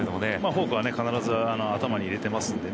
フォークは必ず頭に入れていますので。